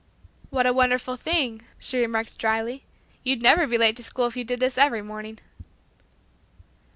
"What a wonderful thing," she remarked dryly, "you'd never be late to school if you did this every morning."